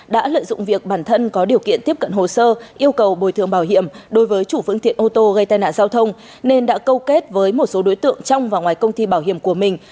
đã lợi dụng việc bản thân có điều kiện tiếp cận hồ sơ yêu cầu bồi thường bảo hiểm đối với chủ phương tiện ô tô gây tai nạn giao thông nên đã câu kết với một số đối tượng trong và ngoài công ty bảo hiểm của mình